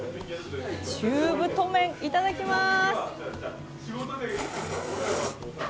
中太麺、いただきまーす！